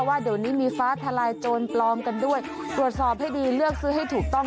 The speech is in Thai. ว่าเดี๋ยวนี้มีฟ้าทลายโจรปลอมกันด้วยตรวจสอบให้ดีเลือกซื้อให้ถูกต้อง